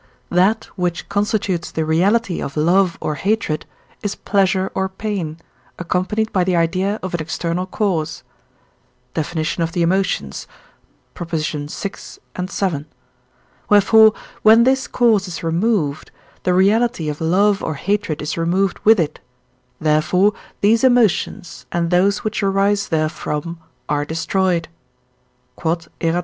That, which constitutes the reality of love or hatred, is pleasure or pain, accompanied by the idea of an external cause (Def. of the Emotions, vi. vii.); wherefore, when this cause is removed, the reality of love or hatred is removed with it; therefore these emotions and those which arise therefrom are destroyed. Q.E.D.